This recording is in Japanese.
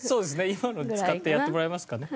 今の使ってやってもらいますかね。